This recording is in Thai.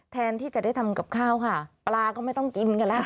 แทนที่จะได้ทำกับข้าวค่ะปลาก็ไม่ต้องกินกันแล้ว